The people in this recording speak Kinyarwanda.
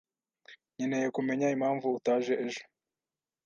Nkeneye kumenya impamvu utaje ejo.